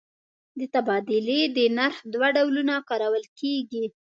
د تبادلې د نرخ دوه ډولونه کارول کېږي.